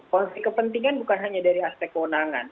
konsep kepentingan bukan hanya dari aspek kewenangan